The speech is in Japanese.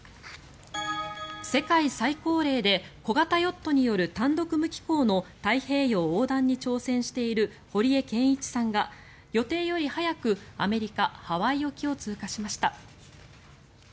世界最高齢で小型ヨットによる単独無寄港の太平洋横断に挑戦している堀江謙一さんが予定より早くアメリカ・ハワイ沖を通過しました。